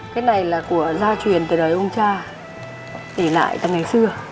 cái này là của gia truyền từ đời ông cha để lại từ ngày xưa